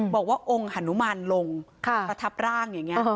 บอกว่าองค์ฮานุมานลงประทับร่างอย่างนี้